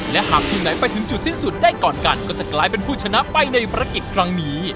และหากทีมไหนไปถึงจุดสิ้นสุดได้ก่อนกันก็จะกลายเป็นผู้ชนะไปในภารกิจครั้งนี้